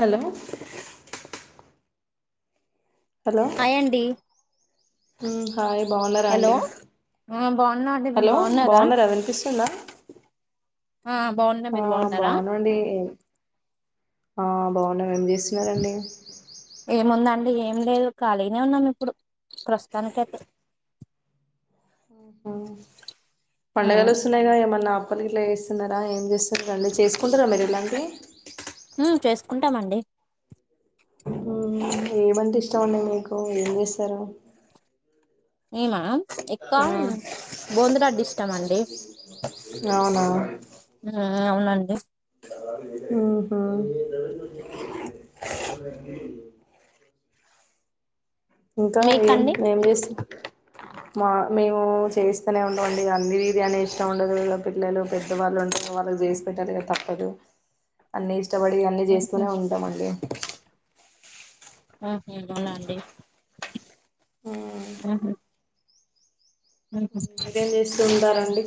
Hello hello హాయ్యండి మ్మ్ hi బాగున్నారా అండి ఆ బాగున్నా అండి మీరు హలో బాగున్నారా వినిపిస్తుందా ఆ బాగున్నా ఆ మీరు బాగున్నారా బాగున్న అండి ఏ ఆ బాగున్నా అండి స్తున్నారండి అ ఏం లేదు ఖాళీనే ఉన్నాం ఇప్పుడు ప్రస్తుతానికైతే ఉమ్ పండగలు వస్తున్నాయిగా ఏమన్నా పనిగిట్ల చేస్తున్నారా ఏం చేస్ సరేండి చేసుకుంటారా మీరు ఇలాంటివి ఇ మ్మ్ చేసుకుంటామండి ఏమంట ఇష్టం ఉన్నాయి మీకు ఏం చేస్తారు ఏమ ఆ ఎక్కవ బోందలా అడ్డి ఇస్తాం అండి అవునా మ్మ్ అవునండి మ్మ్ హ్మ్ ఇంకా ఏం మీకండి ఏం చేస్ మా మేము చేస్తూనే ఉండండి ఇ అన్ని వీర్యాని ఇష్టం ఉండదు పిల్లలు పెద్దవాళ్ళు ఉంటారు వాళ్ళ చేసి పెట్టారు కదా తప్పదు అన్ని ఇష్ కష్టబడి అన్నీ ఉహు, చేస్తూనే ఉంటామండి ఆహ అవునా అండి ఆహా మ్మ్ మీరేం చేస్తూ ఉంటారన్ అండి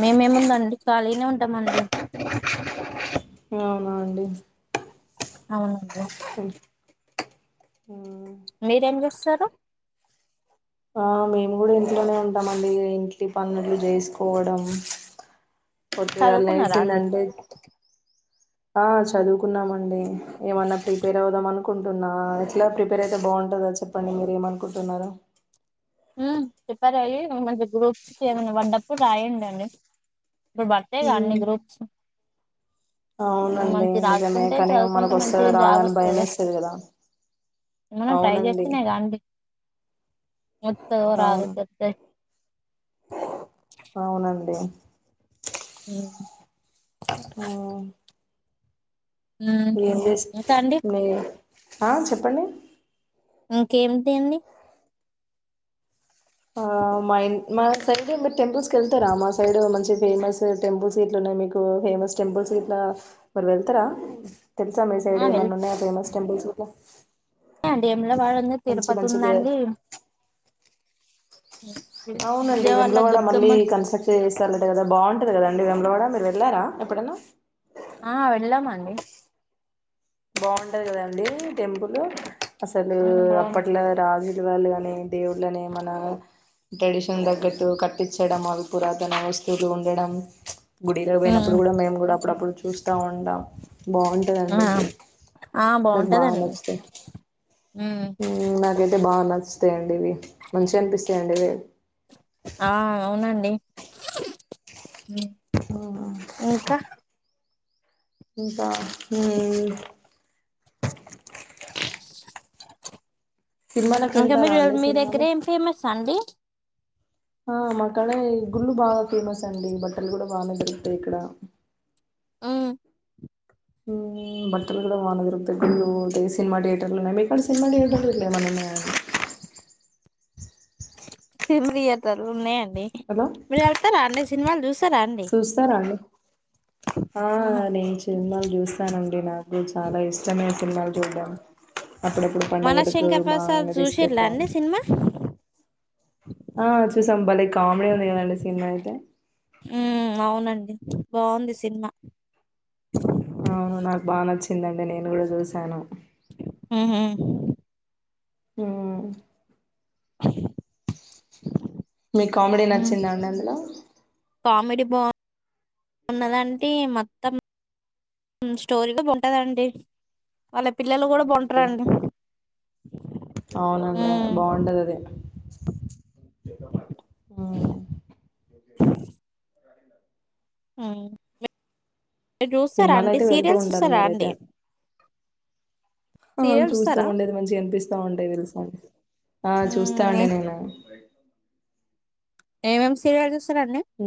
మేమేము ఉందండి ఖాళీనే ఉంటామండి అవునా అండి అవునండి స మీరు ఏం చే సరే ఆ మేము కూడా ఇంట్లోనే ఉంటామండి ఇంటిలో పన్నులు చేసుకోవడం పొద్దు గాల చదువుకున్నారా అండి లేసిందంటే ఆ చదువుకున్నామండి ఏమన్నా ప్రిపేర్ అవుదాం అనుకుంటున్నా ఎట్లా ప్రిపేర్ అయితే బాగుంటందా చెప్పండి మీరు ఏమనుకుంటున్నరో ఉమ్ చెప్పారు అయి మంచిగా గ్రూప్స్ ఏమైనా పడ్డప్పుడు రాయండి అనేసి ఇప్పుడు పడతాయి గా అన్ని ఉమ్ గ్రూప్స్ అవునండి మంచి నిజమే రాసుకుంటే కానీ మనకు చదువుకుంటే మంచి వస్తదా రాద జాబ్ అని వస్తది భయమేస్తది కదా మనం ట్రై అవునండి చేస్తేనేగా వస్తదోరాదో అవును తేలుత్తది అవునండి ఏమ్ హమ్ ఏం ఇంకా అండి ఆ చెప్పండి ఇంకేమిటి అండి ఆ మా ఇ మా సైడ్ మీరు టెంపుల్స్కి వెళ్తారా మా సైడ్ మంచి ఫేమస్ టెంపుల్స్ గిట్ల ఉన్నాయి మీకు ఫేమస్ టెంపుల్స్ గిట్లా మరి వెళ్తారా తెలుసా మీ ఆ సైడ్ ఏమన్న ఉన్నయా ఫేమస్ టెంపుల్స్ గిట్ల అండి వేములవాడ ఉంది, తిరుపతి ఉందండి. అవునండి విజయవాడల వేములవాడ దుర్గమ్మ మళ్ళీ కాన్స్ట్రాక్ట్ చేస్తలంట కదా బాగుంటది కదండి వేములవాడ మీరు ఎల్లార ఎప్పుడన్నా ఆ వెళ్ళమండి బాగుంటది కదండి టెంపులు అసలు ఉమ్, బాగుంది. అప్పట్లో రాజు వాళ్ళు కాని దేవుళ్ళని మన ట్రెడిషన్ తగ్గట్టు కట్టించడం అవి పురాతన వస్తువులు ఉండడం గుడిలో ఉమ్, పోయినప్పుడు కూడా మేము కూడా అప్పుడప్పుడు చూస్తా ఉంటాం ఆ బాగుంటదండి ఆ నాకు బాగా బాగుంటదండి నచ్చుతాయి ఉమ్ అంటే బాగా నచ్చుతయండి ఇవి మంచిగా అనిపిస్తయండి ఇవి ఆ అవునండి ఇంకా ఇంకా హ్మ్ సినిమాలకు ఇంకా వెళ్తారా మీరు అండి మీ దగ్గర సినిమాలు ఏం ఫేమస్ అండి ఆ మాకాడ ఈ గుళ్ళు బాగా ఫేమస్ అండి బట్టలు కూడా బాగానే దొరుకుతాయి ఇక్కడ హ్మ్ బట్టలు కూడా బానే దొరుకుతాయి అదే సినిమా థియేటర్లునే మీ కాడ సినిమా థియేటర్లే ఎయయిన ఉన్నాయ అండి సిమ్తి యతారు నేం హలో మీరు వెళ్తారా అండి సినిమాలు చూస్తారా అండి చూస్తారా అండి ఆ ఆహా నే చె సిన్మల్ జ్యూస్స్తాన అండి నాకు అ చాలా ఇష్టమే తిన్నాలు చూడ్డం అప్పుడప్పుడు మన పండగలకు శంకర్ మా ప్రసాద్ ఆయన చూసిలా తీసుకెళ్తాడు అండి సినిమా ఆ చూశాం బాలే కామెడి ఉంది కాదండి సినిమా అయితే ఉమ్ అవునండి బాగుంది సినిమా అవును నాకు బాగా నచ్చిందండి నేను కూడా చూశాను ఆ హుమ్ ఉమ్ మీకు కామెడి మ్మ్. నచ్చిందండి అందులో కామెడీ బాగున్నదండి మొత్తం స్టోరీలో బగుంటదండి వాళ్ళ పిల్లలు కూడా అవునండి బావుంటారండి అవునండి బాగుంటది అది ఉమ్ అమ్ చూస్తారా సినిమాలు అండి అయితే వెళ్తూ సీరియల్స్ ఉంటారు చూస్తారా అండి మీరైతే ఆ సీరియల్ చూస్తాం చూస్తారా అండి అది మంచిగా కనిపిస్తా ఉంటాయి తెలుసా అండి ఆ చూస్తా మ్మ్. అండి నేను ఏం ఏం సీరియల్స్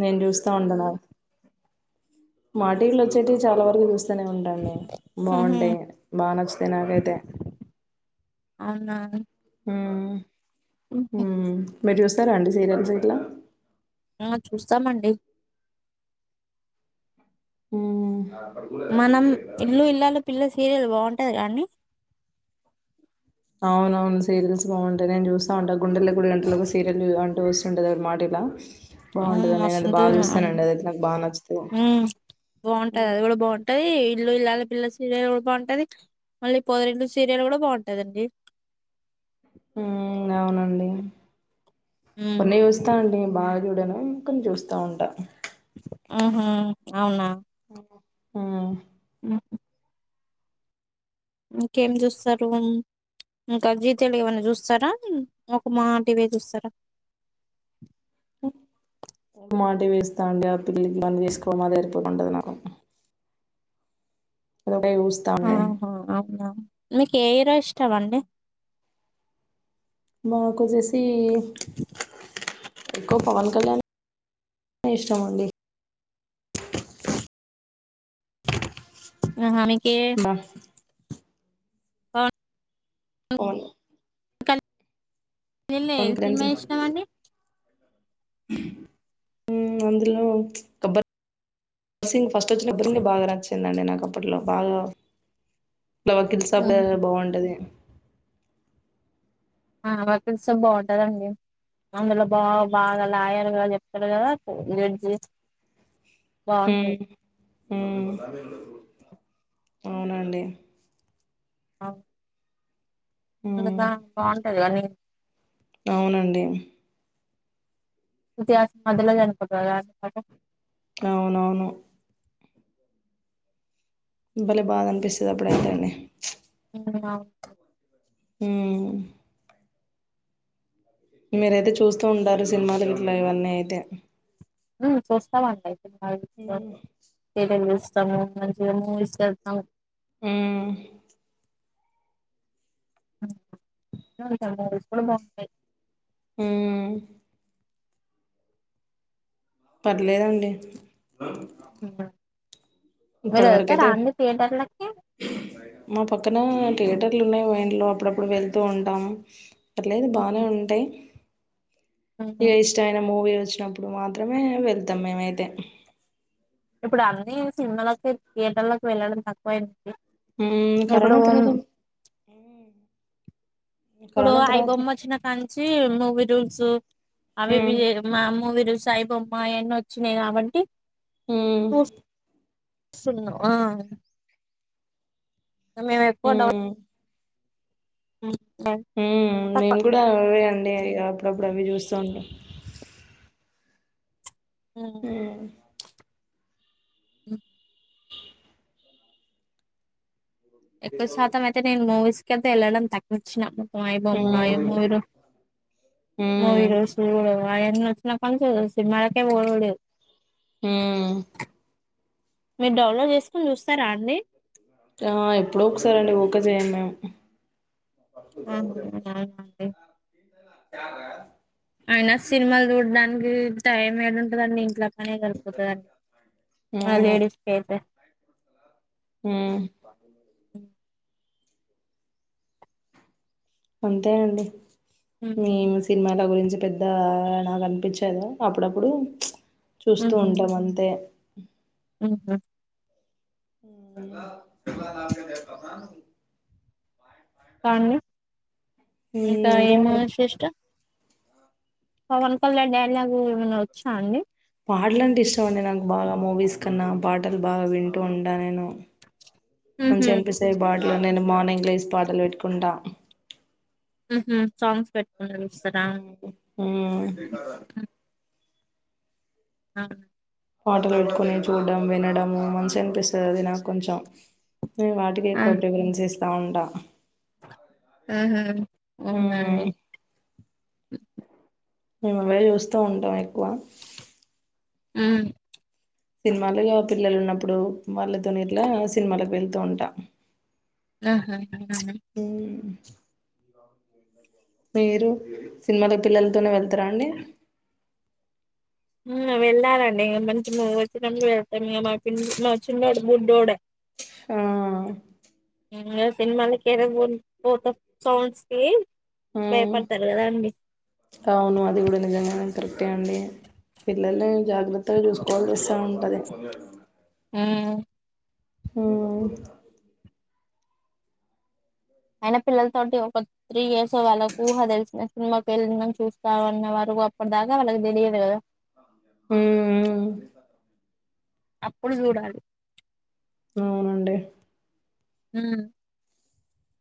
నేను చూస్తా ఉండన్న మా టివిలో వచ్చేటివి చాలా వరకు చూస్త చూస్తునే ఉంట అండి మ్హూ. బాగుంటే బాగా నచ్చుతాయి నాకైతే ఉమ్ ఉమ్ ఉమ్ మీరు చూస్తారా అండి సీరియల్స్ ఇట్లా ఆ చూస్తామండి ఉం మనం ఇల్లు ఇల్లాలు పిల్ల సీరియల్ బాగుం ంటది కదండీ అవున అవును సీరియల్స్ బాగుంటాయి నేను చూస్త ఉంటా గుండేల్లో గుడి గంటలు సీరియల్ అంటూ వస్తుంటుంది మాటివి లా అవును మస్తుంటది అండి నాకు బాగా నచ్చుతది బాగుంటది అది కూడా బాగుంటది ఇల్లు ఇల్లాల పిల్ల సీరియల్ కూడా బాగుంటది మళ్ళీ పొదరిల్లుసీరియల్ కూడా బాగుంటది అండీ ఉం అవునండి ఉమ్ కొన్ని చూస్తా అండీ బాగా. చూడను కొన్ని చూస్తా ఉంటాను ఆహా అవున. హ్మ్. ఉమ్. ఇంకేం చూస్తారు ఇంకా జీ తెలుగు ఏవన్న చూస్తారా ఒక మాటీవే చూస్తారా. మా టీవీ చూస్తా అండీ ఆ పిల్కి పనిచేసుకోడం అదే సరిపోతా ఉంటది నాకు అ. ఆహా అవున. మీకు ఏ హీరో ఇష్ ష్టమండి. మాకు చేస్ సి. ఎక్కువ పవన్ కళ్యాణ్ ఏ ఇష్టం అండి. ఆహా మీక్ బా. ఆ పోను. కలి లే ఏ సినిమా ఇష్టమ అండి. అందులో గబ్బర్ సింగ్. ఫస్ట్ వచ్చిన అప్పుడే బాగా నచ్చిందండి నాకు. అప్పుట్లో బాగా. వకీల్ సాబ్ బాగుంటాది. ఆ వకీల్ సాబ్ బాగుంటాదండి. అందులో బాగా బాగా లాయర్. దా చెప్తాడు కదా జె. బాగుంటాది. హ్మ్ ఆ అవునండి ఆ ఇంగ ఉమ్ దా బా గుంటది గాని అవునండి శృతిహసన్ మధ్యలో చనిపోతాది కదా [inaudible] అండి అవునవును భలే బాదనిపిస్తది అప్పుడైతే అండి హ్మ్ అవును మ్మ్ మీరైతే చూస్తూ ఉంటారు సినిమాలు ఇట్లా ఇవన్నీ అయితే హ్మ్ చూస్తాము అండి [unintelligible] తలన్ తెలుసు ళ్తాము మంచి మూవీస్ కి వెళ్తాము హ్మ్ [unintelligible] మూవీస్ కూడా బాగుంటాయి మ్మ్ పర్లేదండి హ్మ్ హు ఇప్పటి వరకు అయితే థియేటర్లకి మా పక్కన థియేటర్లు ఉన్నాయి వంట్లో అప్పుడప్పుడు వెళ్తూ ఉంటాము పర్లేదు బానే ఉంటాయి ఏ ఇష్టమైన మూవీ చ్చినప్పుడు మాత్రమే వెళ్తాం మేమైతే ఇప్పుడు అన్నీ సినిమాలోకి థియేటర్ లోకి వెళ్ళడం తక్కువయింది ఊ కరోనా తర్వాత ఇప్పుడు కరోనా ఐ తర్వాత బొమ్మ వచ్చినా కాంచి మూవీ రూల్స్ అవి ఉమ్ వీ మా మూవీ రూస్ తై బొమ్మా అయన్నీ వచ్చినాయి కాబట్టి ఊ సున్నం ఆ మేమెక్కువ డౌ ఉమ్ ఊ ఉమ్ నేను కూడా అవే అన్ నే అప్పుడప్పుడు అవి చూస్తా ఉంటా ఊ ఉ ఎక్కువ శాతం అయితే నేను మూవీస్. కైతే ఎళ్ళడం తగ్గిచ్చినాను ఐ బొమ్మ ఉమ్ ఐ ఉమ్ మూవీ మూవీ ఉమ్ రూల్స్ అయి అని. నా పంచ చూసి మాకే ఓర్వలేద్. ఊ మీరు డౌన్లో చేసుకొని చూస్తారా అండి. ఆ ఎప్పుడొ ఒకసారి అండి వుకే చేయం మేము. ఆహా అలా అండి. చారా. అయినా సినిమాలు చూడడానికి టైం ఏడుంటాదండి ఇంట్ల. మనే కలిపోతు అడి మ లేడీస్ కి అయితే ఊ అంతే అండి మేము సినిమాలా గురిం మంచి పెద్ద నాకు అనిపించేది అప్పుడప్పుడు ప్చ్ చూస్తూ ఉంటాం అంతే అ ఉహు ఊ కాదండి ఇంకా ఏము శస్టు పవన్ కళ్యాణ్ డైలాగ్ ఏమైనా ఒచ్చినా అండి పాటల అంటే ఇష్టం అండి నాకు బాగా మూవీస్ కన్నా, పాటలు బాగా వింటూ ఉంటా నేను. మంచిగా అనిపిస్తాయి బాటలు నేను మార్నింగ్ లో వేసి పాటలు పెట్టుకుంటా. ఉహు సాంగ్స్ పెట్ ఊ ఆ పాటలు పెట్టుకుని చూడడం వినడము మంచి అనిపిస్తది అది నాకు కొంచెం. ఉ వాటికి ఎక్కువ ప్ప్రిపరేషన్ చేస్ ఆండా ఊహు అవునా మ్మ్ అని [inaudible] మేము అవే చూస్తా ఉంటాం ఎక్కువ. ఊ సినిమాలిగ పిల్లలు ఉన్నప్పుడు వాళ్ళతోనే ఇట్లా సినిమాలకు వెళ్తూ ఉంటా ఆహా అవునా? ఊ [inaudible] మీరు సినిమాలు పిల్లలతోనే వెళ్తారా అండి? ఊ వెళ్ళాలండి ఇం మంచి మువి అస్తే ఫ్యామిలీ ఎళ్తాం ఇ మా ప మా చిన్న బుడ్డోడ మ్మ్ ఇంగ సినిమాలకి ఏదన్న మూవీ [unintelligible] పోతే సౌండ్స్ కి మ్మ్ అవును అది కూడా నిజమేనన్ కరెక్టే అండి పిల్లలు జాగ్రత్తగా చూసుకోవాల్సి వస్తా ఉంటది ఆమ్ మ్మ్ అయిన పిల్లలతోటి ఒక త్రీ ఇయర్స్ వాళ్ళ ఊహ తెలిసిన సినిమాకి వెళ్ళడం చూస్తా అన్న వరకు అప్పటి దాకా వాళ్ళకి తెలియదు కదా మ్మ్ మ్మ్ అప్పుడు చూడాలి అవునండి మ్మ్